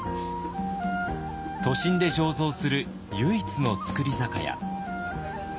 都心で醸造する唯一の造り酒屋。